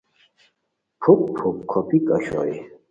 پُھک پُھک کھوپیک اوشوئے